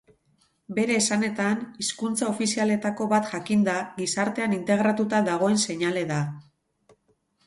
Bere esanetan, hizkuntza ofizialetako bat jakinda, gizartean integratuta dagoen seinale da.